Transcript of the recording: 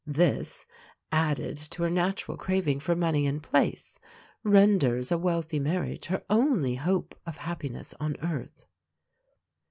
This, added to her natural craving for money and place, renders a wealthy marriage her only hope of happiness on earth.